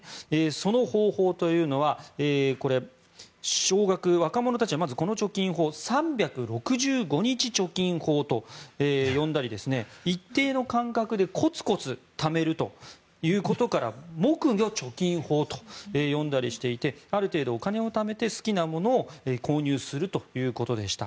その方法というのは少額若者たちはまずこの貯金法を３６５日貯金法と呼んだり一定の間隔でコツコツためるということから木魚貯金法と呼んだりしていてある程度、お金をためて好きなものを購入するということでした。